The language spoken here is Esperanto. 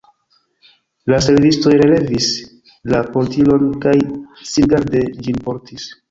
La servistoj relevis la portilon kaj singarde ĝin portis.